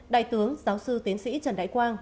đại tướng giáo sư tiến sĩ trần đại quang